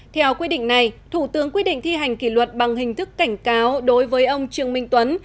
theo quy định này thủ tướng quyết định thi hành kỷ luật bằng hình thức cảnh cáo đối với ông trương minh tuấn